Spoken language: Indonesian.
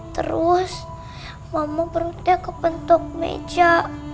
terus mama perutnya kepentuk meja